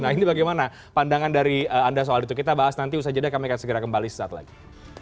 nah ini bagaimana pandangan dari anda soal itu kita bahas nanti usaha jeda kami akan segera kembali sesaat lagi